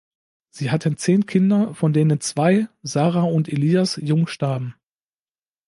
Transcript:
Sie hatten zehn Kinder, von denen zwei, Sara und Elias, jung starben.